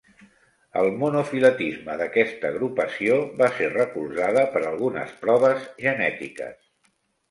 El monofiletisme d'aquesta agrupació va ser recolzada per algunes proves genètiques.